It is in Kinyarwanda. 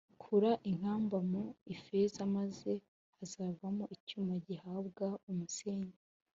kura inkamba mu ifeza, maze hazavamo icyuma gihabwa umusennyi